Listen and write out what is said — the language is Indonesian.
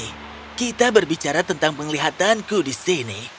oke kita berbicara tentang penglihatanku di sini